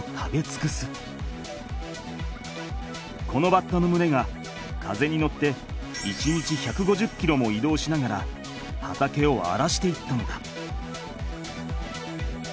このバッタのむれが風に乗って１日１５０キロも移動しながら畑をあらしていったのだ。